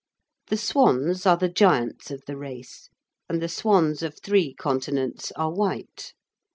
The swans are the giants of the race, and the swans of three continents are white.